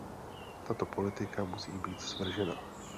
Tato politika musí být svržena.